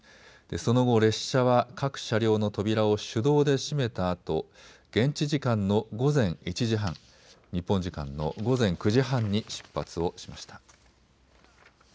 その後列車は各車両の扉を手動で閉めたあと、現地時間の午前１時半、日本時間の午前９時半に出発をしました。